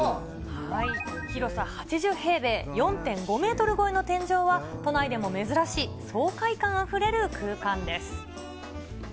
広さ８０平米、４．５メートル超えの天井は、都内でも珍しい爽快感あふれる空間です。